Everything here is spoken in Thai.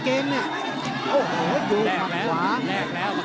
เกมเนี่ยโอ้โหอยู่ข้างขวาแดกแล้วแดกแล้ว